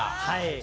はい。